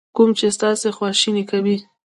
کوم چې تاسو خواشینی کوي.